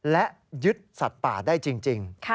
และยึดสัตว์ป่าได้จริง